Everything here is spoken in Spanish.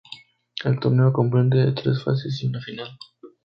El torneo comprende de tres fases y una final.